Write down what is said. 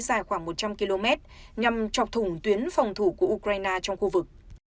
dài khoảng một trăm linh km nhằm chọc thủng tuyến phòng thủ của ukraine trong khu vực